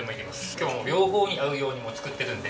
今日は両方に合うように作ってるんで。